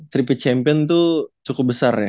tripped champion tuh cukup besar ya